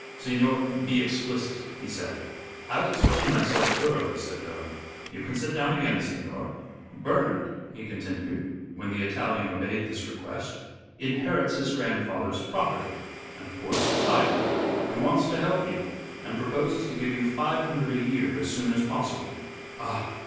"Signor, be explicit," he said. "I'll explain myself thoroughly," said Durham. "You can sit down again, signor. Bernard," he continued, when the Italian obeyed this request, "inherits his grandfather's property, and, of course the title. He wants to help you, and proposes to give you five hundred a year as soon as possible." "Ah!